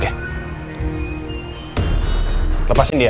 karena dia bahwhichanya